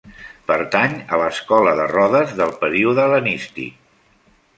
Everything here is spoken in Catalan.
Pertany a l'escola de Rodes del període hel·lenístic.